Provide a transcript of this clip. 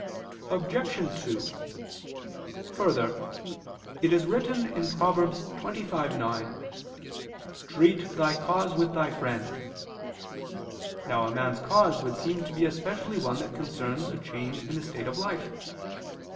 Obj. 2: Further, it is written (Prov. 25:9): "Treat thy cause with thy friend." Now a man's cause would seem to be especially one that concerns a change in his state of life.